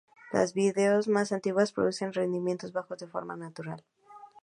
Las vides más antiguas producen rendimientos bajos de forma natural.